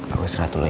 aku istirahat dulu ya